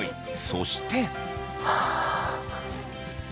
そして。